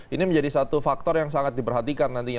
ini menjadi satu faktor yang sangat diperhatikan nantinya